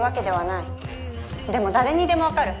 でも誰にでもわかる。